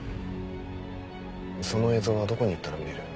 その映像はどこにいったら見れる？